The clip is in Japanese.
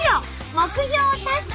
目標達成！